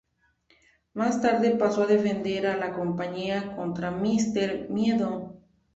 Más tarde pasó a defender a la compañía contra Mister Miedo.